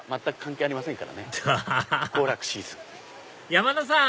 山田さん